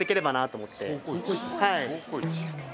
はい。